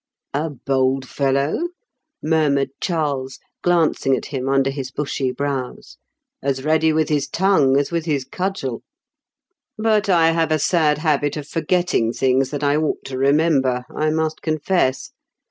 " A bold feUow !". murmured Charles, glancing at him under his bushy brows ;" aa ready with his tongue as with his cudgeL THE KINO'S PBE88. 293 But I have a sad habit of forgetting things that I ought to remember, I must confess.